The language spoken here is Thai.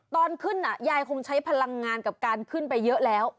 ตอนขึ้นยายคงใช้พลังงานกับการขึ้นไปเยอะแล้ว